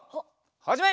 はじめ！